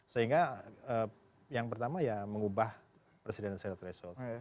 sehingga yang pertama ya mengubah presidential threshold